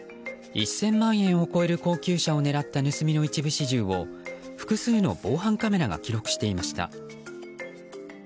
１０００万円を超える高級車を狙った盗みの一部始終を複数の防犯カメラが記録していました。